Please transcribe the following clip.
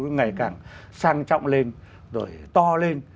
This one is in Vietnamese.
ngày càng sang trọng lên rồi to lên